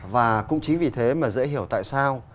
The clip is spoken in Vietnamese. và cũng chính vì thế mà dễ hiểu tại sao